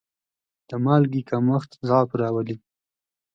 د مالګې کمښت ضعف راولي.